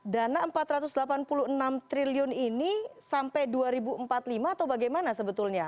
dana rp empat ratus delapan puluh enam triliun ini sampai dua ribu empat puluh lima atau bagaimana sebetulnya